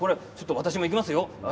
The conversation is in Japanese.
私もいきますよ。